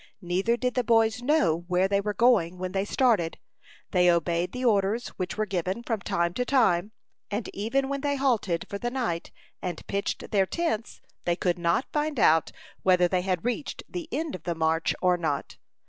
Neither did the boys know where they were going when they started. They obeyed the orders which were given from time to time, and even when they halted for the night and pitched their tents, they could not find out whether they had reached the end of the march or not.